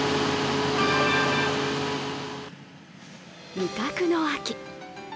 味覚の秋。